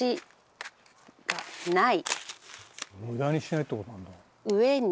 「無駄にしないって事なんだ」